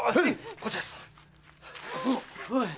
こっちです。